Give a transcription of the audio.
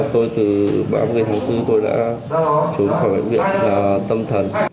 tôi từ ba mươi tháng bốn tôi đã trốn khỏi bệnh viện tâm thần